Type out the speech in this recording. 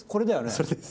それです。